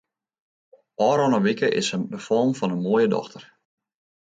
Ofrûne wike is se befallen fan in moaie dochter.